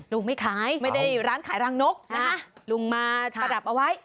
ลุงไม่ขายไม่ได้ร้านขายรังนกนะฮะลุงมาประดับเอาไว้